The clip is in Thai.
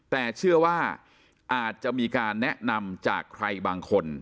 แต่เชื่อว่าอาจจะมีการแนะนำจากใครบางคน